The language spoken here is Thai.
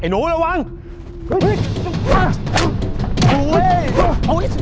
น้องให้ดี